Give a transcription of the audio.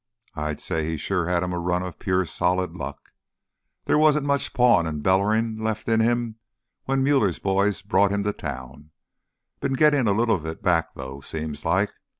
I'd say he sure had him a run of pure solid luck! There wasn't much pawin' an' bellerin' left in him when Muller's boys brought him to town. Been gittin' a little of it back, though, seems like.